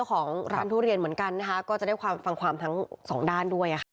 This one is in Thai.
พอเก็บร้านเราคือเป็นโดนโดนแล้วก็จะออกไปซื้อของกระถิ่นเค้ากำลังกันด้วย